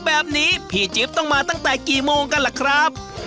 แบบนี้พี่จิ๊บต้องมาตั้งแต่กี่โมงกันล่ะครับ